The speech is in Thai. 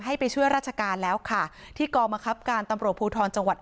ไปช่วยราชการแล้วค่ะที่กรมคับการตำรวจภูทรจังหวัด